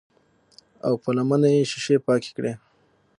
او پۀ لمنه يې شيشې پاکې کړې